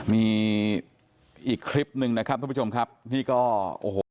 มีอีกคลิปหนึ่งนะครับทุกผู้ชมครับนี่ก็โอ้โห